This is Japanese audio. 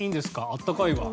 あったかいわ。